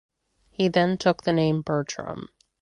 He then took the name Bertram.